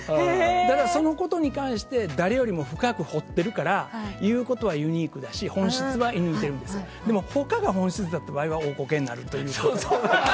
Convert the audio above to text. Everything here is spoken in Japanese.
だから、そのことに関して誰よりも深く掘っているから言うことはユニークだし本質を射抜いてるんですけどだけど、他が本質だった場合は大コケになるという。